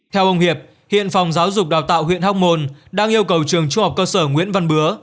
theo ông hiệp hiện phòng giáo dục đào tạo huyện hóc môn đang yêu cầu trường trung học cơ sở nguyễn văn bứa